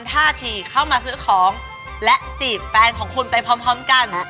ต่อไปค่ะ